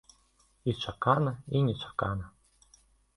І чакана, і нечакана.